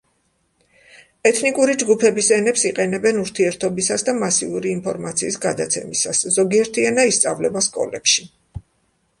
ეთნიკური ჯგუფების ენებს იყენებენ ურთიერთობისას და მასიური ინფორმაციის გადაცემისას, ზოგიერთი ენა ისწავლება სკოლებში.